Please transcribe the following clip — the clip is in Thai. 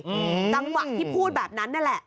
อืมตั้งวันที่พูดแบบนั้นนั่นแหละ